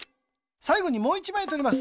さいごにもう１まいとります。